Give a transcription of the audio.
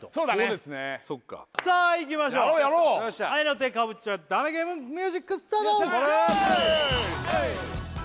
そうですねさあいきましょう合いの手かぶっちゃダメゲームミュージックスタート頑張れ！